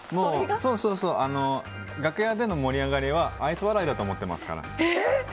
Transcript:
楽屋での盛り上がりは愛想笑いだと思ってますから。